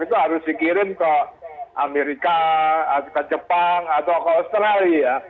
itu harus dikirim ke amerika atau ke jepang atau ke australia